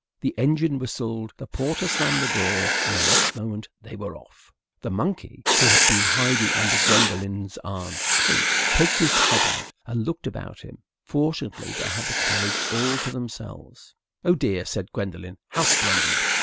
The engine whistled, the porter slammed the door, and the next moment they were off. The monkey, who had been hiding under Gwendolen's aunt's coat, poked his head out, and looked about him. Fortunately they had the carriage all to themselves. "Oh dear!" said Gwendolen. "How splendid!"